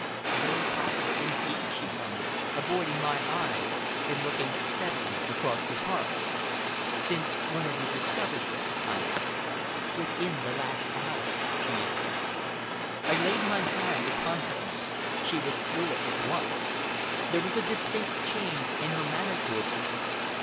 "Very possible indeed," she murmured, avoiding my eyes, and looking steadily across the park. "Since when have you discovered this?" I asked. "Within the last hour," she answered. I laid my hand upon hers. She withdrew it at once. There was a distinct change in her manner towards me.